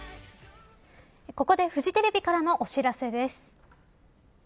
ここでフジテレビからのお知らせです。